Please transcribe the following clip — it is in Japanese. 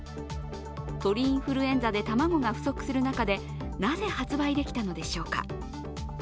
鳥インフルエンザで卵が不足する中でなぜ発売できたのでしょうか。